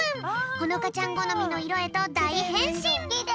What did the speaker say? ほのかちゃんごのみのいろへとだいへんしん！